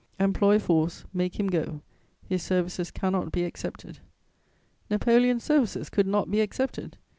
Employ force... make him go... his services cannot be accepted." Napoleon's services could not be accepted!